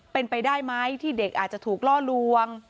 เป็นไปได้ไหมที่เด็กอาจจะถูกล่อลวง